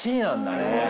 ねえ。